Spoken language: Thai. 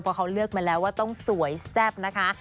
เพราะเขาเลือกมาแล้วว่าต้องสวยแซ่บนะคะ